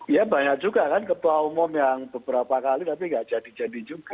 ya banyak juga kan ketua umum yang beberapa kali tapi gak jadi jadi juga